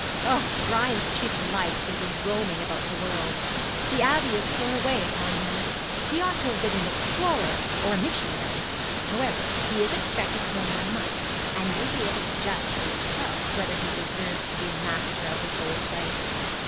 'Oh, Brian's chief delight is in roaming about the world. The Abbey is thrown away upon him. He ought to have been an explorer or a missionary. However, he is expected home in a month, and you will be able to judge for yourself whether he deserves to be master of this old place.